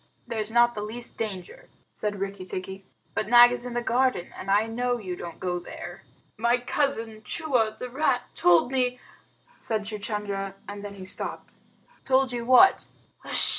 "There's not the least danger," said Rikki tikki. "But Nag is in the garden, and I know you don't go there." "My cousin Chua, the rat, told me " said Chuchundra, and then he stopped. "Told you what?"